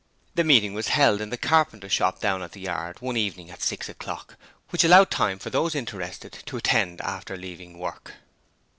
The meeting was held in the carpenter's shop down at the yard one evening at six o'clock, which allowed time for those interested to attend after leaving work.